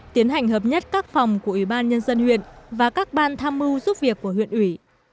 tiến hành hợp nhất các phòng của ủy ban nhân dân huyện và các ban tham mưu giúp việc của huyện ủy